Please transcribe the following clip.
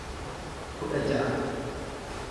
kudha ja'a